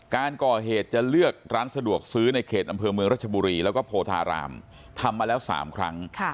การก่อเหตุจะเลือกร้านสะดวกซื้อในเขตอำเภอเมืองรัชบุรีแล้วก็โพธารามทำมาแล้ว๓ครั้ง